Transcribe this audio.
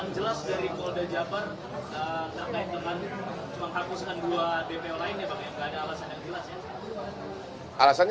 terkait dengan menghapuskan dua dpo lainnya